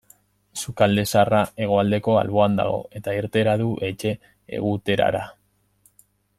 Sukalde zaharra hegoaldeko alboan dago, eta irteera du etxe-eguterara.